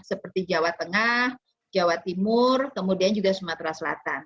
seperti jawa tengah jawa timur kemudian juga sumatera selatan